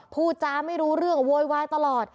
พูดจาไม่รู้เรื่องโวยวายตลอด